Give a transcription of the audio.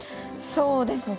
そうですね。